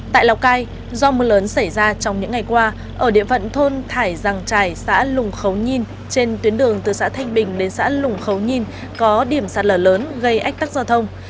tại lào cai do mưa lớn xảy ra trong những ngày qua ở địa phận thôn thải giàng trải xã lùng khấu nhin trên tuyến đường từ xã thanh bình đến xã lùng khấu nhin có điểm sạt lở lớn gây ách tắc giao thông